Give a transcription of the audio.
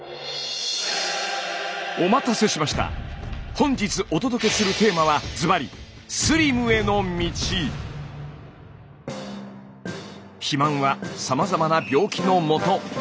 本日お届けするテーマはずばり肥満はさまざまな病気のもと。